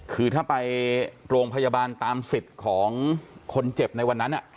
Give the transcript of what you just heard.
คือถ้าไปโรงพยาบาลตามสิทธิ์ของคนเจ็บในวันนั้น